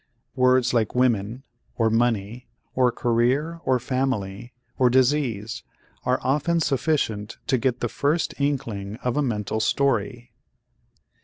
Words like women or money or career or family or disease are often sufficient to get the first inkling of a mental story.